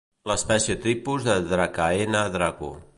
L'espècie tipus és Dracaena Draco.